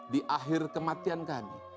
di akhir kematian kami